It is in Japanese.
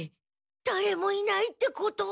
だれもいないってこと？